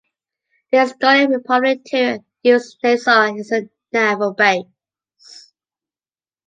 The Estonian Republic too used Naissaar as a naval base.